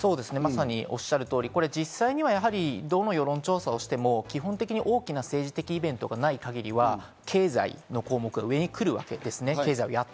実際にはどの世論調査をしても、基本的に大きな政治的イベントがない限りは経済の項目が上に来るわけです。